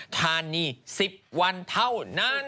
ทานนี่๑๐วันเท่านั้น